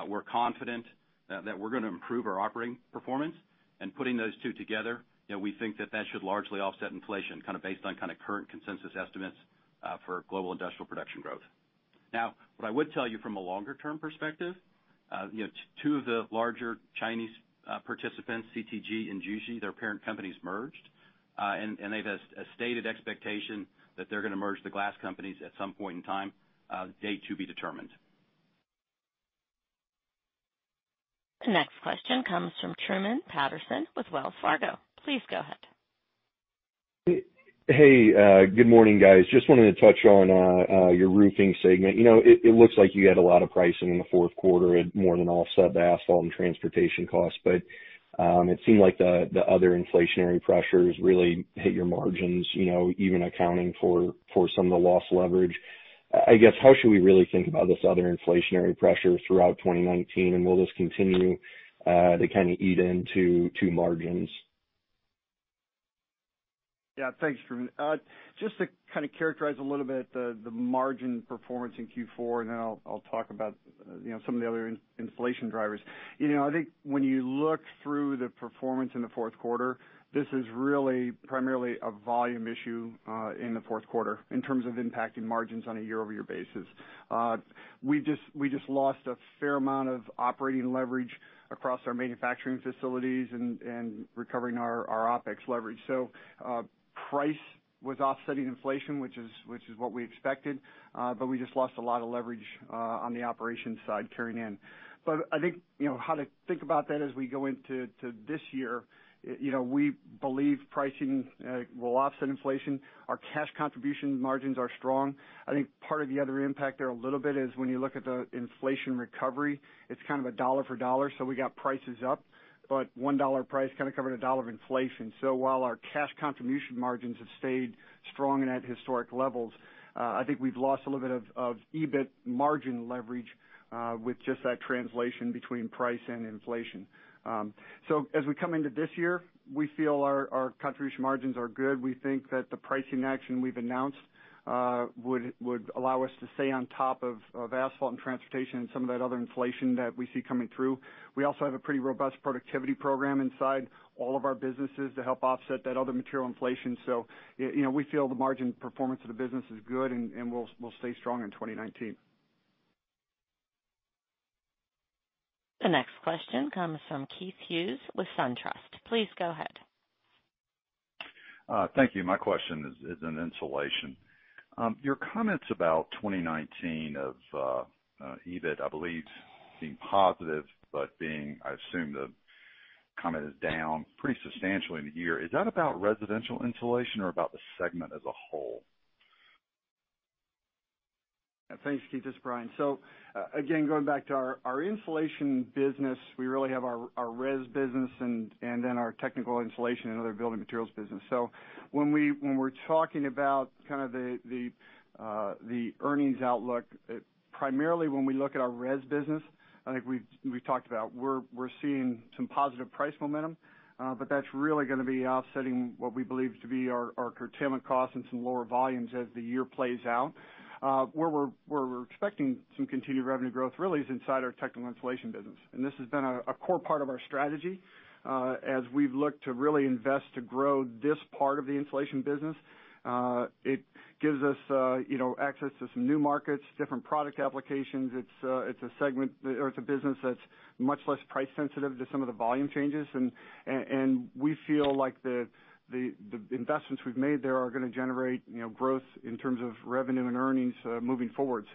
We're confident that we're going to improve our operating performance, and putting those two together, we think that that should largely offset inflation, kind of based on kind of current consensus estimates for global industrial production growth. Now, what I would tell you from a longer-term perspective, two of the larger Chinese participants, CTG and Jushi, their parent companies merged. And they've stated expectation that they're going to merge the glass companies at some point in time. Date to be determined. The next question comes from Truman Patterson with Wells Fargo. Please go ahead. Hey, good morning, guys. Just wanted to touch on your roofing segment. It looks like you had a lot of pricing in the fourth quarter and more than offset the asphalt and transportation costs. But it seemed like the other inflationary pressures really hit your margins, even accounting for some of the loss leverage. I guess, how should we really think about this other inflationary pressure throughout 2019? And will this continue to kind of eat into margins? Yeah, thanks, Truman. Just to kind of characterize a little bit the margin performance in Q4, and then I'll talk about some of the other inflation drivers. I think when you look through the performance in the fourth quarter, this is really primarily a volume issue in the fourth quarter in terms of impacting margins on a year-over-year basis. We just lost a fair amount of operating leverage across our manufacturing facilities and recovering our OpEx leverage, so price was offsetting inflation, which is what we expected, but we just lost a lot of leverage on the operations side carrying in, but I think how to think about that as we go into this year, we believe pricing will offset inflation. Our cash contribution margins are strong. I think part of the other impact there a little bit is when you look at the inflation recovery, it's kind of a dollar for dollar, so we got prices up, but one dollar price kind of covered a dollar of inflation, so while our cash contribution margins have stayed strong and at historic levels, I think we've lost a little bit of EBIT margin leverage with just that translation between price and inflation. So as we come into this year, we feel our contribution margins are good. We think that the pricing action we've announced would allow us to stay on top of asphalt and transportation and some of that other inflation that we see coming through. We also have a pretty robust productivity program inside all of our businesses to help offset that other material inflation. So we feel the margin performance of the business is good and will stay strong in 2019. The next question comes from Keith Hughes with SunTrust. Please go ahead. Thank you. My question is in insulation. Your comments about 2019 of EBIT, I believe, being positive, but being, I assume, the comment is down pretty substantially in the year. Is that about residential insulation or about the segment as a whole? Thanks, Keith. This is Brian. Again, going back to our insulation business, we really have our res business and then our technical insulation and other building materials business. When we're talking about kind of the earnings outlook, primarily when we look at our res business, I think we've talked about we're seeing some positive price momentum, but that's really going to be offsetting what we believe to be our curtailment costs and some lower volumes as the year plays out. Where we're expecting some continued revenue growth really is inside our technical insulation business. This has been a core part of our strategy as we've looked to really invest to grow this part of the insulation business. It gives us access to some new markets, different product applications. It's a segment or it's a business that's much less price sensitive to some of the volume changes. We feel like the investments we've made there are going to generate growth in terms of revenue and earnings moving forward.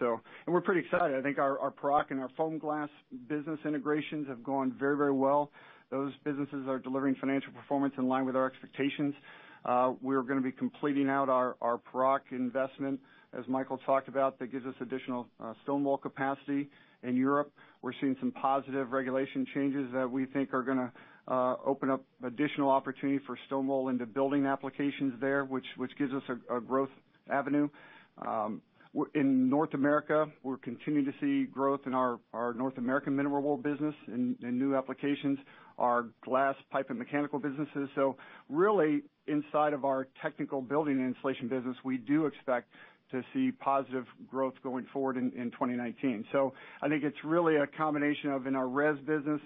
We're pretty excited. I think our Paroc and our FOAMGLASS business integrations have gone very, very well. Those businesses are delivering financial performance in line with our expectations. We're going to be completing out our Paroc investment, as Michael talked about, that gives us additional stone wool capacity in Europe. We're seeing some positive regulation changes that we think are going to open up additional opportunity for stone wool into building applications there, which gives us a growth avenue. In North America, we're continuing to see growth in our North American mineral wool business and new applications, our glass, pipe, and mechanical businesses. Really, inside of our technical building insulation business, we do expect to see positive growth going forward in 2019. So, I think it's really a combination of, in our res business,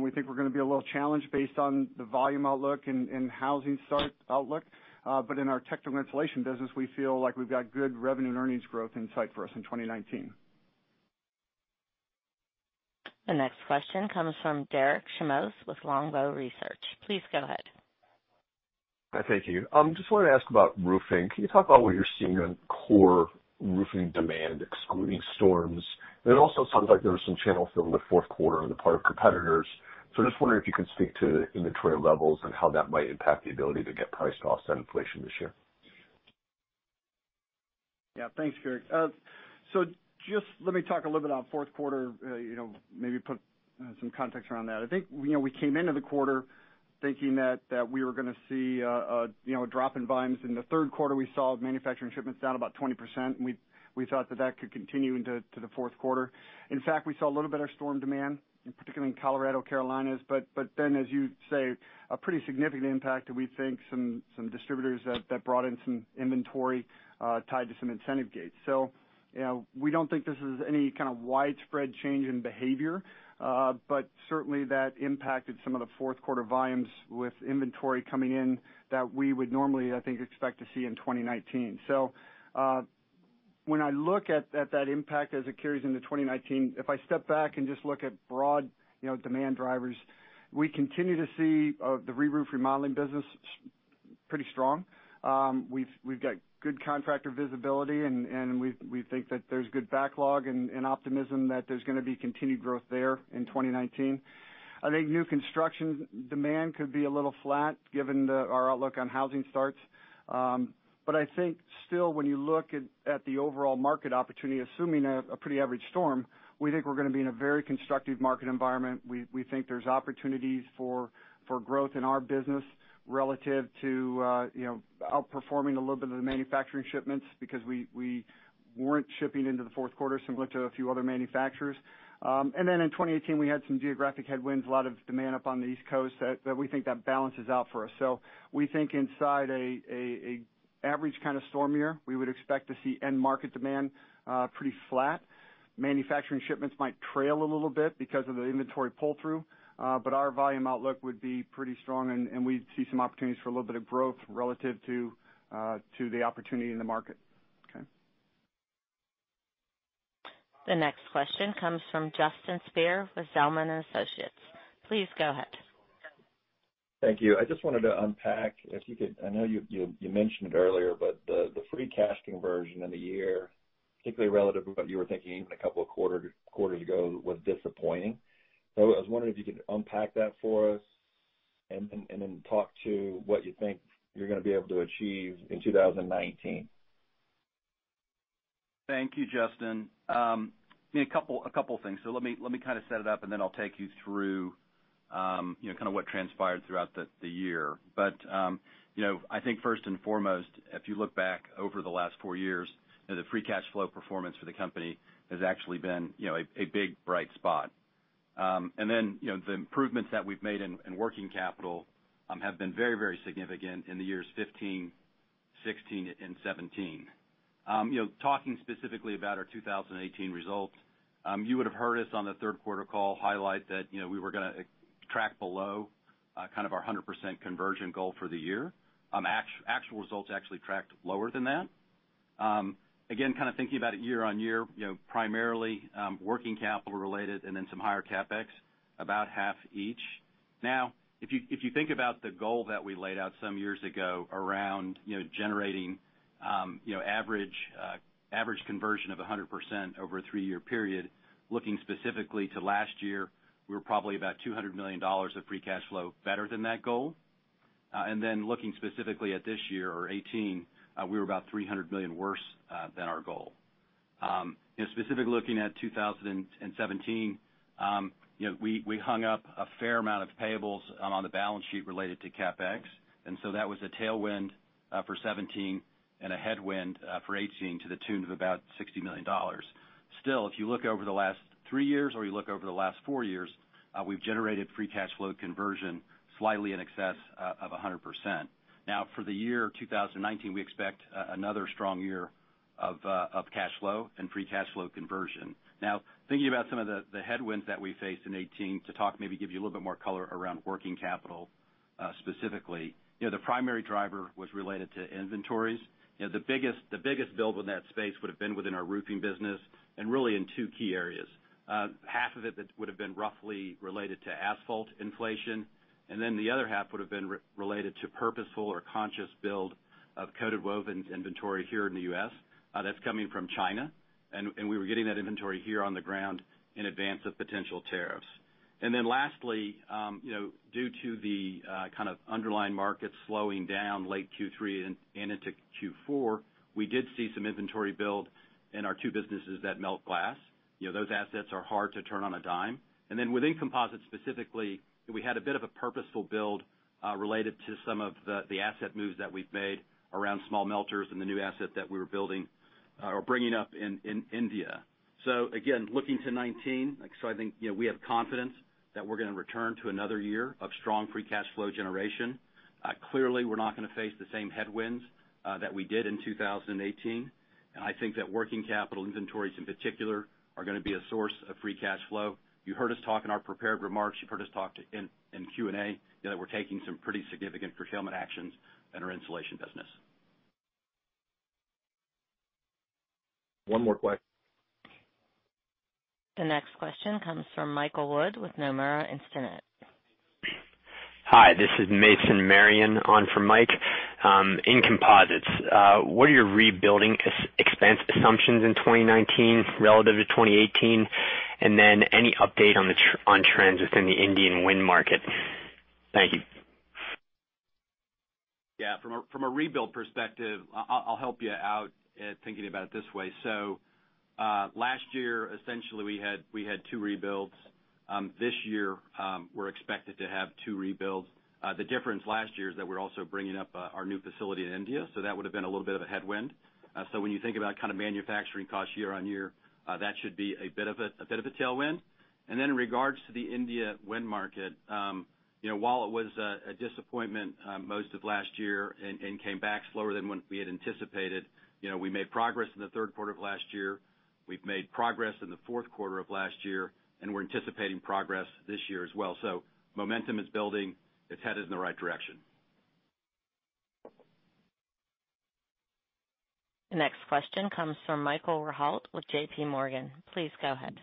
we think we're going to be a little challenged based on the volume outlook and housing starts outlook. But in our technical insulation business, we feel like we've got good revenue and earnings growth in sight for us in 2019. The next question comes from Garik Shmois with Longbow Research. Please go ahead. Thank you. I just wanted to ask about roofing. Can you talk about what you're seeing on core roofing demand, excluding storms? And it also sounds like there was some channel fill in the fourth quarter on the part of competitors. So just wondering if you could speak to inventory levels and how that might impact the ability to get priced off that inflation this year. Yeah, thanks, Garik. So just let me talk a little bit about fourth quarter, maybe put some context around that. I think we came into the quarter thinking that we were going to see a drop in volumes. In the third quarter, we saw manufacturing shipments down about 20%. We thought that that could continue into the fourth quarter. In fact, we saw a little bit of storm demand, particularly in Colorado, Carolinas. But then, as you say, a pretty significant impact that we think some distributors that brought in some inventory tied to some incentive gates. So we don't think this is any kind of widespread change in behavior, but certainly that impacted some of the fourth quarter volumes with inventory coming in that we would normally, I think, expect to see in 2019. When I look at that impact as it carries into 2019, if I step back and just look at broad demand drivers, we continue to see the reroof remodeling business pretty strong. We've got good contractor visibility, and we think that there's good backlog and optimism that there's going to be continued growth there in 2019. I think new construction demand could be a little flat given our outlook on housing starts. But I think still, when you look at the overall market opportunity, assuming a pretty average storm, we think we're going to be in a very constructive market environment. We think there's opportunities for growth in our business relative to outperforming a little bit of the manufacturing shipments because we weren't shipping into the fourth quarter similar to a few other manufacturers. And then in 2018, we had some geographic headwinds, a lot of demand up on the East Coast that we think that balances out for us. So we think inside an average kind of storm year, we would expect to see end market demand pretty flat. Manufacturing shipments might trail a little bit because of the inventory pull-through, but our volume outlook would be pretty strong. And we'd see some opportunities for a little bit of growth relative to the opportunity in the market. Okay. The next question comes from Justin Speer with Zelman & Associates. Please go ahead. Thank you. I just wanted to unpack, if you could. I know you mentioned it earlier, but the free cash conversion in the year, particularly relative to what you were thinking even a couple of quarters ago, was disappointing. I was wondering if you could unpack that for us and then talk to what you think you're going to be able to achieve in 2019? Thank you, Justin. A couple of things. Let me kind of set it up, and then I'll take you through kind of what transpired throughout the year. But I think first and foremost, if you look back over the last four years, the free cash flow performance for the company has actually been a big bright spot. And then the improvements that we've made in working capital have been very, very significant in the years 2015, 2016, and 2017. Talking specifically about our 2018 result, you would have heard us on the third quarter call highlight that we were going to track below kind of our 100% conversion goal for the year. Actual results actually tracked lower than that. Again, kind of thinking about it year on year, primarily working capital related and then some higher CapEx, about half each. Now, if you think about the goal that we laid out some years ago around generating average conversion of 100% over a three-year period, looking specifically to last year, we were probably about $200 million of free cash flow better than that goal, and then looking specifically at this year or 2018, we were about $300 million worse than our goal. Specifically looking at 2017, we hung up a fair amount of payables on the balance sheet related to CapEx, and so that was a tailwind for 2017 and a headwind for 2018 to the tune of about $60 million. Still, if you look over the last three years or you look over the last four years, we've generated free cash flow conversion slightly in excess of 100%. Now, for the year 2019, we expect another strong year of cash flow and free cash flow conversion. Now, thinking about some of the headwinds that we faced in 2018 to talk, maybe give you a little bit more color around working capital specifically, the primary driver was related to inventories. The biggest build in that space would have been within our roofing business and really in two key areas. Half of it would have been roughly related to asphalt inflation. And then the other half would have been related to purposeful or conscious build of coated woven inventory here in the U.S. that's coming from China. And we were getting that inventory here on the ground in advance of potential tariffs. And then lastly, due to the kind of underlying market slowing down late Q3 and into Q4, we did see some inventory build in our two businesses that melt glass. Those assets are hard to turn on a dime. And then within composites specifically, we had a bit of a purposeful build related to some of the asset moves that we've made around small melters and the new asset that we were building or bringing up in India. So again, looking to 2019, I think we have confidence that we're going to return to another year of strong free cash flow generation. Clearly, we're not going to face the same headwinds that we did in 2018. And I think that working capital inventories in particular are going to be a source of free cash flow. You heard us talk in our prepared remarks. You've heard us talk in Q&A that we're taking some pretty significant curtailment actions in our insulation business. One more question. The next question comes from Michael Wood with Nomura Instinet Hi, this is Mason Marion on for Mike. In composites, what are your rebuilding expense assumptions in 2019 relative to 2018? And then any update on trends within the Indian wind market? Thank you. Yeah, from a rebuild perspective, I'll help you out thinking about it this way, so last year, essentially, we had two rebuilds. This year, we're expected to have two rebuilds. The difference last year is that we're also bringing up our new facility in India. So that would have been a little bit of a headwind, so when you think about kind of manufacturing costs year on year, that should be a bit of a tailwind. Then in regards to the India wind market, while it was a disappointment most of last year and came back slower than what we had anticipated, we made progress in the third quarter of last year. We've made progress in the fourth quarter of last year, and we're anticipating progress this year as well. So momentum is building. It's headed in the right direction. The next question comes from Michael Rehaut with JPMorgan. Please go ahead.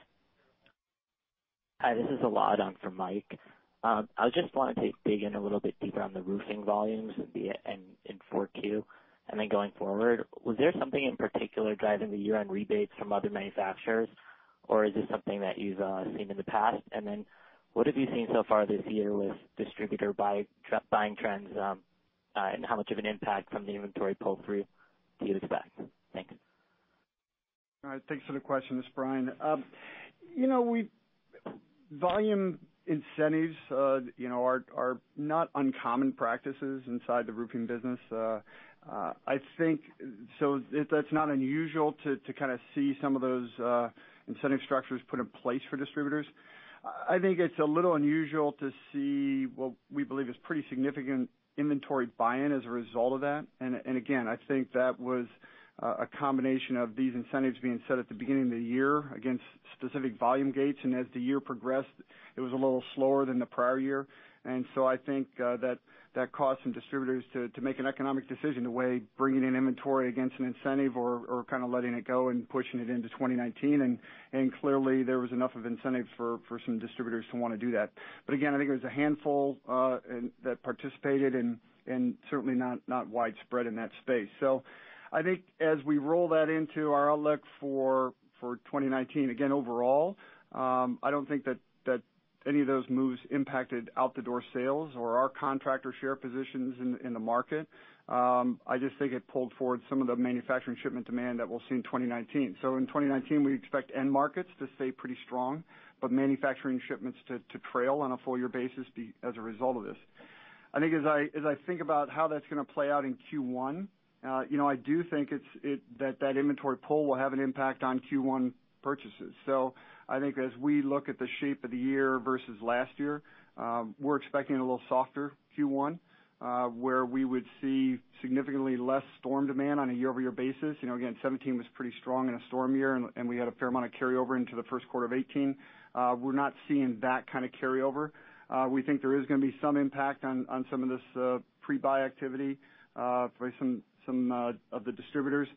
Hi, this is Elad on for Mike. I just wanted to dig in a little bit deeper on the roofing volumes in 4Q and then going forward. Was there something in particular driving the year-end rebates from other manufacturers, or is this something that you've seen in the past? And then what have you seen so far this year with distributor buying trends and how much of an impact from the inventory pull-through do you expect? Thanks. All right. Thanks for the question. This is Brian. Volume incentives are not uncommon practices inside the roofing business. I think, so it's not unusual to kind of see some of those incentive structures put in place for distributors. I think it's a little unusual to see what we believe is pretty significant inventory buy-in as a result of that. And again, I think that was a combination of these incentives being set at the beginning of the year against specific volume gates. And as the year progressed, it was a little slower than the prior year. And so I think that costs some distributors to make an economic decision to weigh bringing in inventory against an incentive or kind of letting it go and pushing it into 2019. And clearly, there was enough of incentives for some distributors to want to do that. But again, I think it was a handful that participated and certainly not widespread in that space. So I think as we roll that into our outlook for 2019, again, overall, I don't think that any of those moves impacted out-the-door sales or our contractor share positions in the market. I just think it pulled forward some of the manufacturing shipment demand that we'll see in 2019. So in 2019, we expect end markets to stay pretty strong, but manufacturing shipments to trail on a full-year basis as a result of this. I think as I think about how that's going to play out in Q1, I do think that that inventory pull will have an impact on Q1 purchases. So I think as we look at the shape of the year versus last year, we're expecting a little softer Q1 where we would see significantly less storm demand on a year-over-year basis. Again, 2017 was pretty strong in a storm year, and we had a fair amount of carryover into the first quarter of 2018. We're not seeing that kind of carryover. We think there is going to be some impact on some of this pre-buy activity by some of the distributors.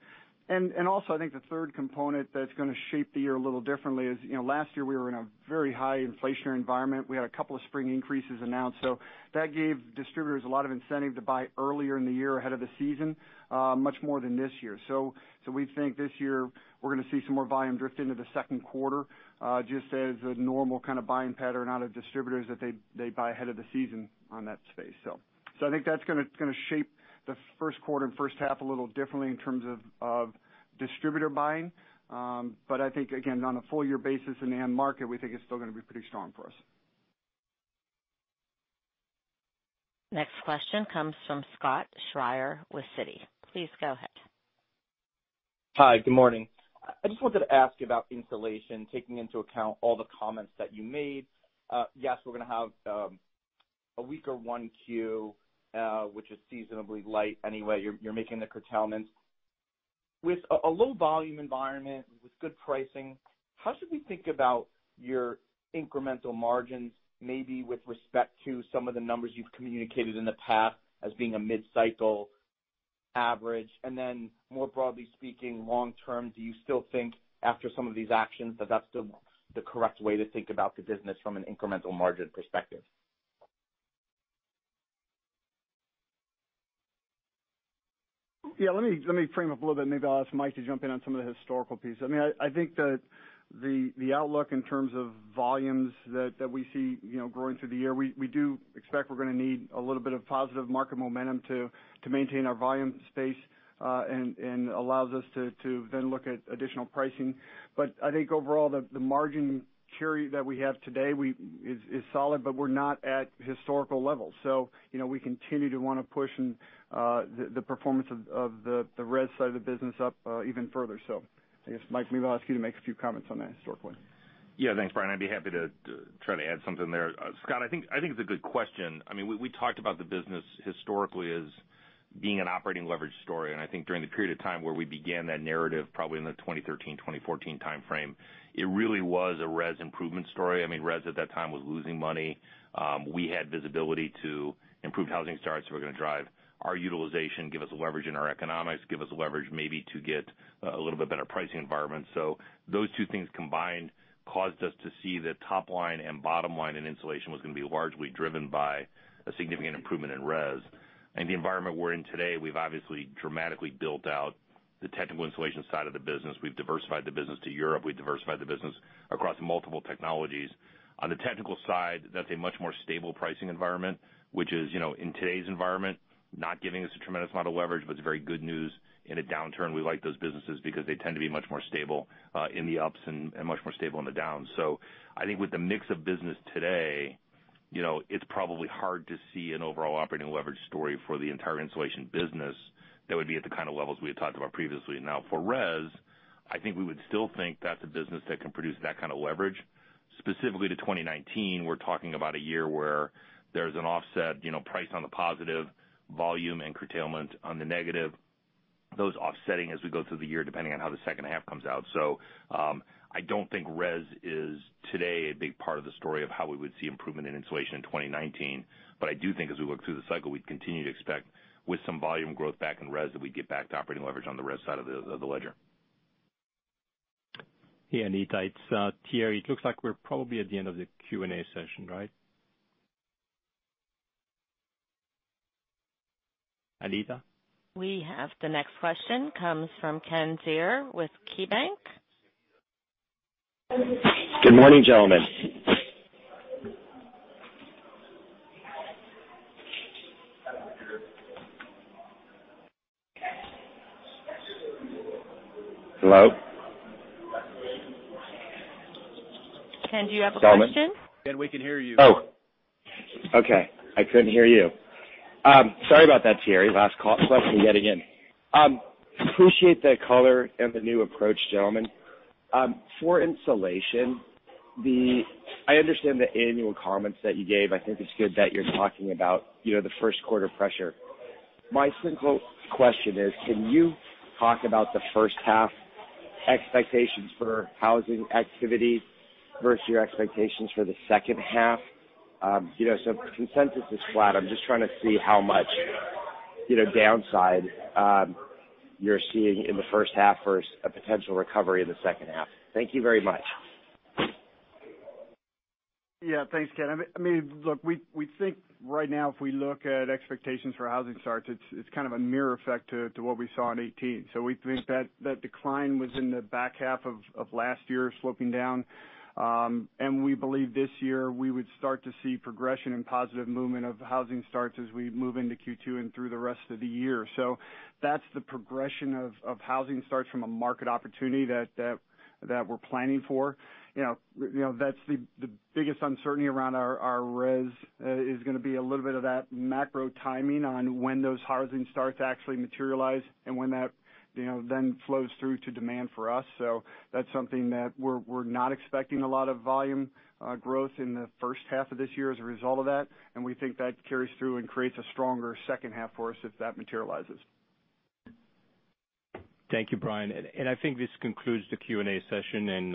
And also, I think the third component that's going to shape the year a little differently is last year we were in a very high inflationary environment. We had a couple of spring increases announced. So that gave distributors a lot of incentive to buy earlier in the year ahead of the season much more than this year. So we think this year we're going to see some more volume drift into the second quarter just as a normal kind of buying pattern out of distributors that they buy ahead of the season on that space. So I think that's going to shape the first quarter and first half a little differently in terms of distributor buying. But I think, again, on a full-year basis in the end market, we think it's still going to be pretty strong for us. Next question comes from Scott Schrier with Citi. Please go ahead. Hi, good morning. I just wanted to ask about insulation, taking into account all the comments that you made. Yes, we're going to have a weaker 1Q, which is seasonally light anyway? You're making the curtailments. With a low volume environment with good pricing, how should we think about your incremental margins maybe with respect to some of the numbers you've communicated in the past as being a mid-cycle average? And then more broadly speaking, long term, do you still think after some of these actions that that's the correct way to think about the business from an incremental margin perspective? Yeah, let me frame up a little bit. Maybe I'll ask Mike to jump in on some of the historical pieces. I mean, I think that the outlook in terms of volumes that we see growing through the year, we do expect we're going to need a little bit of positive market momentum to maintain our volume space and allows us to then look at additional pricing. But I think overall, the margin carry that we have today is solid, but we're not at historical levels. So we continue to want to push the performance of the res side of the business up even further. So I guess, Mike, maybe I'll ask you to make a few comments on that historically. Yeah, thanks, Brian. I'd be happy to try to add something there. Scott, I think it's a good question. I mean, we talked about the business historically as being an operating leverage story. And I think during the period of time where we began that narrative, probably in the 2013, 2014 timeframe, it really was a res improvement story. I mean, res at that time was losing money. We had visibility to improved housing starts. We're going to drive our utilization, give us leverage in our economics, give us leverage maybe to get a little bit better pricing environment, so those two things combined caused us to see that top line and bottom line in insulation was going to be largely driven by a significant improvement in res, and the environment we're in today, we've obviously dramatically built out the technical insulation side of the business. We've diversified the business to Europe. We've diversified the business across multiple technologies. On the technical side, that's a much more stable pricing environment, which is in today's environment, not giving us a tremendous amount of leverage, but it's very good news in a downturn. We like those businesses because they tend to be much more stable in the ups and much more stable in the downs. So I think with the mix of business today, it's probably hard to see an overall operating leverage story for the entire insulation business that would be at the kind of levels we had talked about previously. Now, for res, I think we would still think that's a business that can produce that kind of leverage. Specifically to 2019, we're talking about a year where there's an offset price on the positive volume and curtailment on the negative. Those offsetting as we go through the year depending on how the second half comes out. So I don't think res is today a big part of the story of how we would see improvement in insulation in 2019. But I do think as we look through the cycle, we'd continue to expect with some volume growth back in res that we'd get back to operating leverage on the res side of the ledger. Yeah, Anita, it's Thierry. It looks like we're probably at the end of the Q&A session, right? Anita? We have the next question comes from Ken Zener with KeyBanc. Good morning, gentlemen. Hello? Ken, do you have a question? Ken, we can hear you. Oh, okay. I couldn't hear you. Sorry about that, Thierry. Last question yet again. Appreciate the color and the new approach, gentlemen. For insulation, I understand the annual comments that you gave. I think it's good that you're talking about the first quarter pressure. My simple question is, can you talk about the first half expectations for housing activity versus your expectations for the second half? So consensus is flat? I'm just trying to see how much downside you're seeing in the first half versus a potential recovery in the second half? Thank you very much. Yeah, thanks, Ken. I mean, look, we think right now if we look at expectations for housing starts, it's kind of a mirror effect to what we saw in 2018. So we think that decline was in the back half of last year sloping down, and we believe this year we would start to see progression and positive movement of housing starts as we move into Q2 and through the rest of the year. So that's the progression of housing starts from a market opportunity that we're planning for. That's the biggest uncertainty around our res is going to be a little bit of that macro timing on when those housing starts actually materialize and when that then flows through to demand for us. That's something that we're not expecting a lot of volume growth in the first half of this year as a result of that. We think that carries through and creates a stronger second half for us if that materializes. Thank you, Brian. I think this concludes the Q&A session.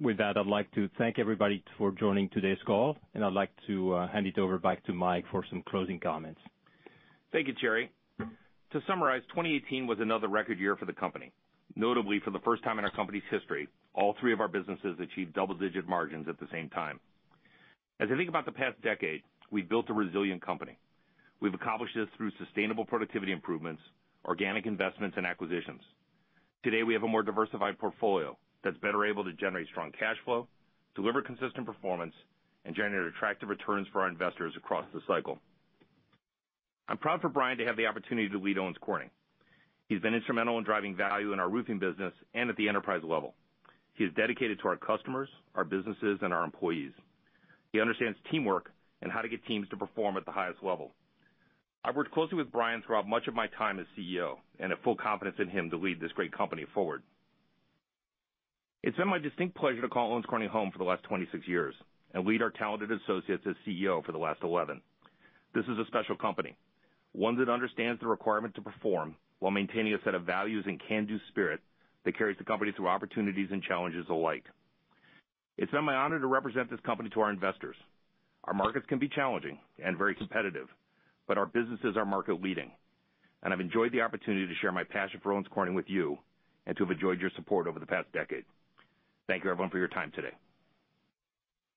With that, I'd like to thank everybody for joining today's call. I'd like to hand it over back to Mike for some closing comments. Thank you, Thierry. To summarize, 2018 was another record year for the company. Notably, for the first time in our company's history, all three of our businesses achieved double-digit margins at the same time. As I think about the past decade, we've built a resilient company. We've accomplished this through sustainable productivity improvements, organic investments, and acquisitions. Today, we have a more diversified portfolio that's better able to generate strong cash flow, deliver consistent performance, and generate attractive returns for our investors across the cycle. I'm proud for Brian to have the opportunity to lead Owens Corning. He's been instrumental in driving value in our roofing business and at the enterprise level. He is dedicated to our customers, our businesses, and our employees. He understands teamwork and how to get teams to perform at the highest level. I've worked closely with Brian throughout much of my time as CEO and have full confidence in him to lead this great company forward. It's been my distinct pleasure to call Owens Corning home for the last 26 years and lead our talented associates as CEO for the last 11. This is a special company, one that understands the requirement to perform while maintaining a set of values and can-do spirit that carries the company through opportunities and challenges alike. It's been my honor to represent this company to our investors. Our markets can be challenging and very competitive, but our businesses are market-leading, and I've enjoyed the opportunity to share my passion for Owens Corning with you and to have enjoyed your support over the past decade. Thank you, everyone, for your time today.